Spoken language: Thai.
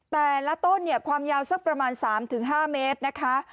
แต่ละต้นเนี่ยความยาวสักประมาณ๓๕เมตรนะคะ